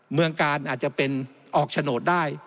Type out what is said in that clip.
เมืองกาลอาจจะเป็นออกโฉนดได้